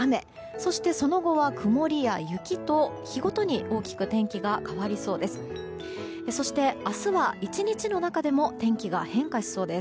そして、その後は曇りや雪と日ごとに大きく天気が変わりそうです。